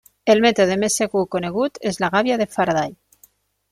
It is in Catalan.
El mètode més segur conegut és la gàbia de Faraday.